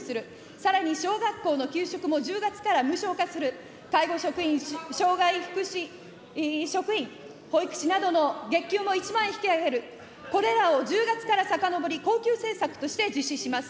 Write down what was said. さらに小学校の給食も１０月から無償化する、介護職員、障害福祉職員、保育士などの月給も１万円引き上げる、これらを１０月からさかのぼり、恒久政策として実施します。